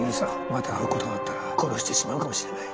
また会う事があったら殺してしまうかもしれない。